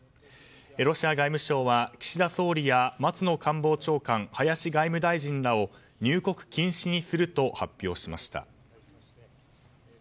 ロシア外務省は岸田総理や松野官房長官林外務大臣らを入国禁止にすると発表しました。